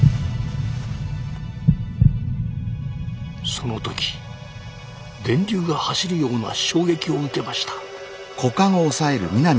その時電流が走るような衝撃を受けました。